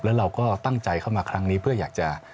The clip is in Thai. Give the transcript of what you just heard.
แล้วเราก็ตั้งใจเข้ามาครั้งนี้เพื่ออยากจะ